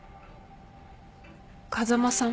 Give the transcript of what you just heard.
風間さん？